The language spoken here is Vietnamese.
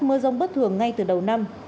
mưa rông bất thường ngay từ đầu năm